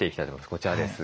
こちらです。